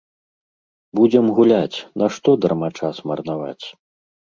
Будзем гуляць, нашто дарма час марнаваць!